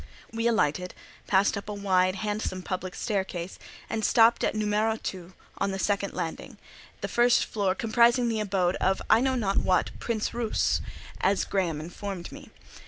We alighted, passed up a wide, handsome public staircase, and stopped at Numéro 2 on the second landing; the first floor comprising the abode of I know not what "prince Russe," as Graham informed me.